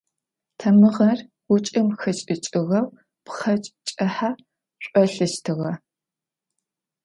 Тамыгъэр гъучӏым хэшӏыкӏыгъэу пхъэкӏ кӏыхьэ шӏолъыщтыгъэ.